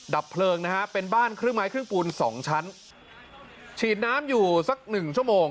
ดับเพลิงนะฮะเป็นบ้านครึ่งไม้ครึ่งปูนสองชั้นฉีดน้ำอยู่สักหนึ่งชั่วโมง